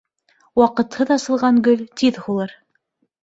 Ваҡытһыҙ асылған гөл тиҙ һулыр.